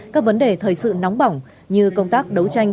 các vấn đề thời sự nóng bỏng như công tác đấu tranh